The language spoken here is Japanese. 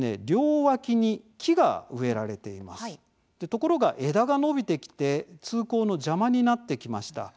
ところが枝が伸びてきて通行の邪魔になってきました。